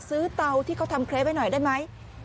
เตาที่เขาทำเครปให้หน่อยได้ไหม